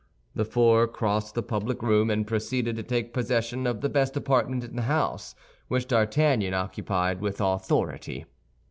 The four crossed the public room and proceeded to take possession of the best apartment in the house, which D'Artagnan occupied with authority.